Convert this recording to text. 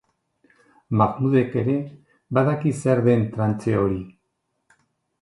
Mahmudek ere badaki zer den trantze hori.